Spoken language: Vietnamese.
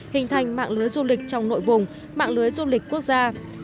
hình thành mạng lưới du lịch trong nội vùng mạng lưới du lịch quốc gia